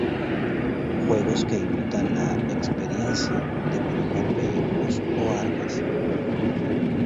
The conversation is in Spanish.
Juegos que imitan la "experiencia" de manejar vehículos o armas.